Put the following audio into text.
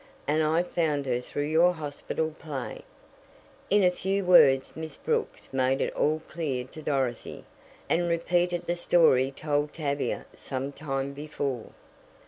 And I found her through your hospital play." In a few words Miss Brooks made it all clear to Dorothy, and repeated the story told Tavia some time before.